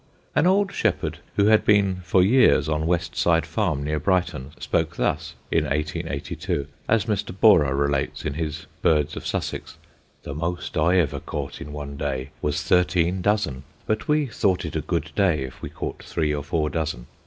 [Sidenote: A RECORD BAG] An old shepherd, who had been for years on Westside Farm near Brighton, spoke thus, in 1882, as Mr. Borrer relates in his Birds of Sussex: "The most I ever caught in one day was thirteen dozen, but we thought it a good day if we caught three or four dozen.